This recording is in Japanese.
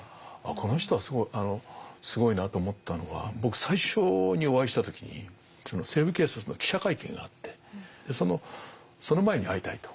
この人はすごいなと思ったのは僕最初にお会いした時に「西部警察」の記者会見があってその前に会いたいと。